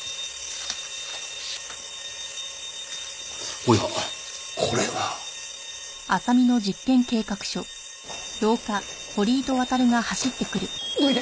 おやこれは。どいて。